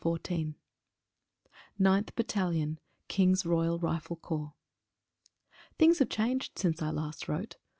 9th Battalion King's Royal Rifle Corps. HINGS have changed since last I wrote.